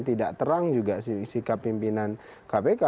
tidak terang juga sikap pimpinan kpk